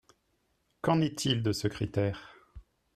Qu’en est-il de ce critère?